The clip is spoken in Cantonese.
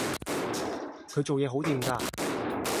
佢做嘢好掂㗎